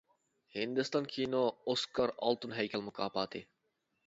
ھىندىستان كىنو ئوسكار ئالتۇن ھەيكەل مۇكاپاتى.